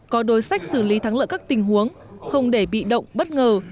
có đối sách xử lý thắng lợi các tình huống không để bị động bất ngờ